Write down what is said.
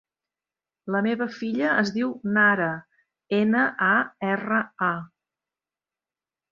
La meva filla es diu Nara: ena, a, erra, a.